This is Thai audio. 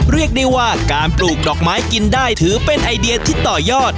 เรียกได้ว่าการปลูกดอกไม้กินได้ถือเป็นไอเดียที่ต่อยอด